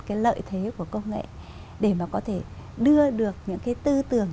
cái lợi thế của công nghệ để mà có thể đưa được những cái tư tưởng